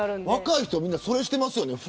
若い人は、みんなそれしてますよね。